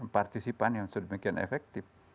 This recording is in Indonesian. partisipan yang sedemikian efektif